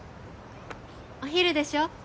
お昼でしょ？